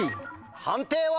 判定は。